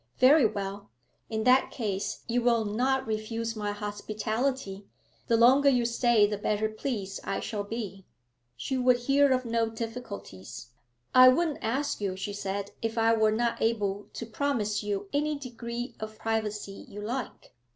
'Very well. In that case you will not refuse our hospitality. The longer you stay the better pleased I shall be.' She would hear of no difficulties. 'I wouldn't ask you,' she said, 'if I were not able to promise you any degree of privacy you like.